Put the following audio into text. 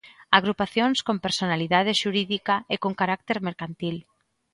Agrupacións con personalidade xurídica e con carácter mercantil.